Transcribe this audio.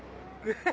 ハハハ！